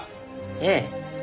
ええ。